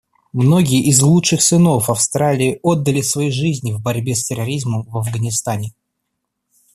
Многие из лучших сынов Австралии отдали свои жизни в борьбе с терроризмом в Афганистане.